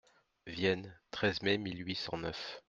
Vienne, treize mai mille huit cent neuf.